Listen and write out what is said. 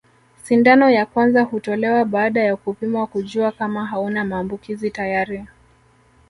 Sindano ya kwanza hutolewa baada ya kupimwa kujua kama hauna maambukizi tayari